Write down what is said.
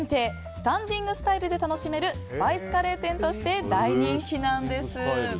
スタディングスタイルで楽しめるスパイスカレー店として大人気なんです。